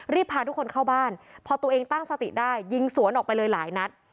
พาทุกคนเข้าบ้านพอตัวเองตั้งสติได้ยิงสวนออกไปเลยหลายนัด